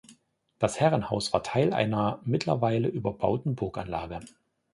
Das Herrenhaus war Teil einer mittlerweile überbauten Burganlage.